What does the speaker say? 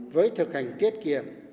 với thực hành tiết kiệm